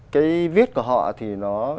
cái viết của họ thì nó